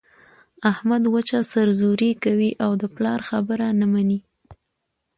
احمد وچه سر زوري کوي او د پلار خبره نه مني.